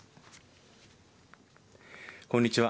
こんにちは。